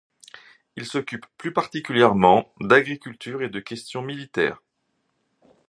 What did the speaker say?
Il s'occupe plus particulièrement d'agriculture et de questions militaires.